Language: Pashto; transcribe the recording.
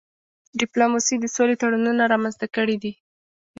ډيپلوماسي د سولې تړونونه رامنځته کړي دي.